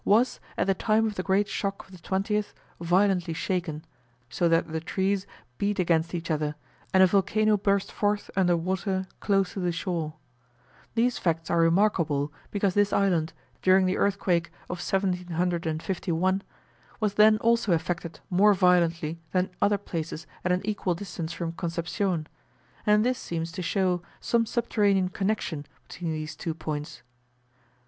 was, at the time of the great shock of the 20th, violently shaken, so that the trees beat against each other, and a volcano burst forth under water close to the shore: these facts are remarkable because this island, during the earthquake of 1751, was then also affected more violently than other places at an equal distance from Concepcion, and this seems to show some subterranean connection between these two points.